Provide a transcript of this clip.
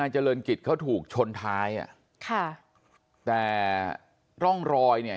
แต่สงสัตว์ค้าล่ะมันมันลงเอาเเบิดต๊งเนี้ยมัน